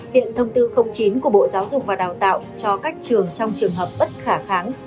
hiện thông tư chín của bộ giáo dục và đào tạo cho các trường trong trường hợp bất khả kháng